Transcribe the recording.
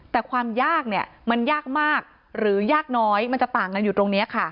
แต่ความยากเนี่ยมันยากมากหรือยากน้อยมันจะต่างกันอยู่ตรงนี้ค่ะ